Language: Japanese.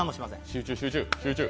集中！